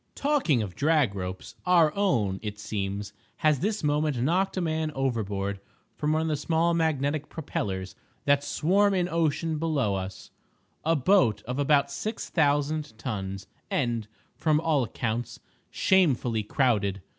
Talking of drag ropes—our own, it seems, has this moment knocked a man overboard from one of the small magnetic propellers that swarm in ocean below us—a boat of about six thousand tons, and, from all accounts, shamefully crowded.